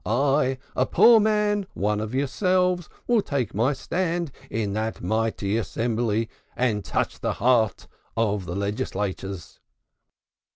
I, a poor man, one of yourselves, will take my stand in that mighty assembly and touch the hearts of the legislators.